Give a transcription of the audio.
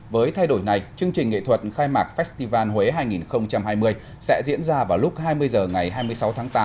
với thay đổi này chương trình nghệ thuật khai mạc festival huế hai nghìn hai mươi sẽ diễn ra vào lúc hai mươi h ngày hai mươi sáu tháng tám